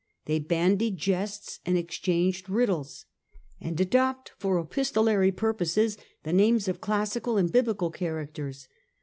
They bandy jests and exchange riddles, and adopt for epistolary purposes the names of classical or biblical characters.